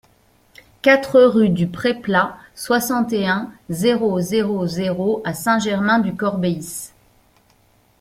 quatre rue du Pré Plat, soixante et un, zéro zéro zéro à Saint-Germain-du-Corbéis